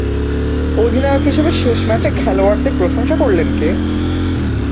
অধিনায়ক হিসেবে শেষ ম্যাচে খেলোয়াড়দের প্রশংসা করলেন কে?